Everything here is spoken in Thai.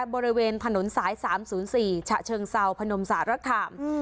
บริเวณถนนสายสามศูนย์สี่ชะเชิงเซาส์พนมศาสตร์รักฐาห์อืม